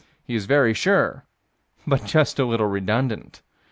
He is very sure, but just a little redundant.